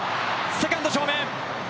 セカンド正面。